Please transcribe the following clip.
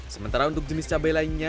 sementara untuk jenis cabai lainnya